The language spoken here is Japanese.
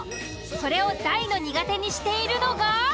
それを大の苦手にしているのが。